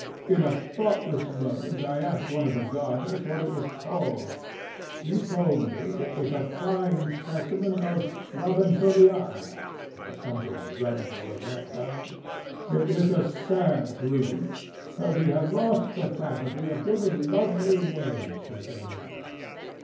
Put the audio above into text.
In a thoughtless moment I asked one of the gardeners what it was called. He told me it was a fine specimen of Robinsoniana, or something dreadful of that kind. It is a sad truth, but we have lost the faculty of giving lovely names to things.